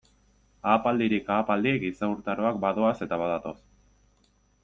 Ahapaldirik ahapaldi giza urtaroak badoaz eta badatoz.